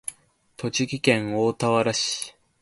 栃木県大田原市